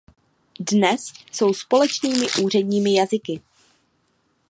Dnes jsou společnými úředními jazyky.